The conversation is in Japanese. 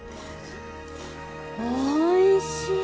おいしい。